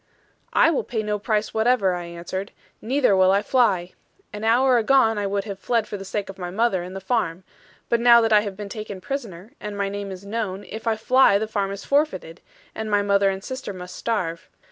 'I will pay no price whatever,' I answered, 'neither will I fly. An hour agone I would have fled for the sake of my mother, and the farm. But now that I have been taken prisoner, and my name is known, if I fly, the farm is forfeited; and my mother and sister must starve.